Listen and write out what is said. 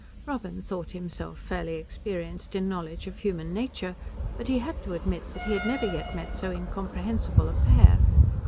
Robin thought himself fairly experienced in knowledge of human nature, but he had to admit that he had never yet met so incomprehensible a pair.